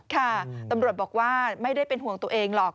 ค่ะตำรวจบอกว่าไม่ได้เป็นห่วงตัวเองหรอก